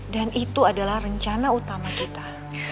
dan itu adalah rencana utama kita